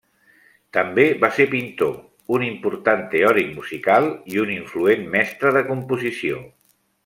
També va ser pintor, un important teòric musical i un influent mestre de composició.